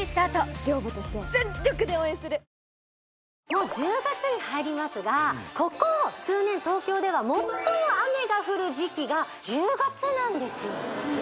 もう１０月に入りますがここ数年東京では最も雨が降る時季が１０月なんですよ